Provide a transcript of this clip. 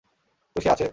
তো সে আছে?